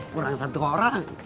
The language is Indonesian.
kurang satu orang